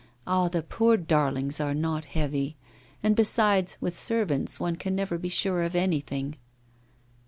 Ah! the poor darlings are not heavy; and besides, with servants one can never be sure of anything.